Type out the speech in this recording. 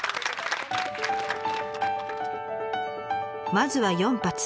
まずは４発。